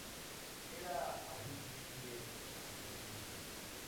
Era aborigen de Schleswig.